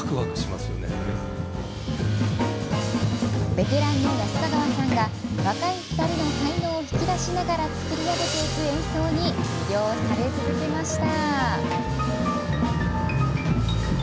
ベテランの安ヵ川さんが若い２人の才能を引き出しながら作り上げていく演奏に魅了され続けました。